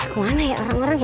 ke mana ya orang orang ya